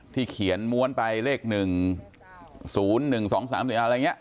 ที่เขียนม้วนไปเลขหนึ่งศูนย์หนึ่งสองสามสี่อะไรอย่างเงี้ยค่ะ